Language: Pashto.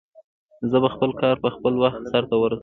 زه به خپل کار په خپل وخت سرته ورسوم